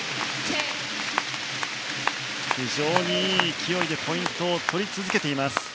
非常にいい勢いでポイントを取り続けています。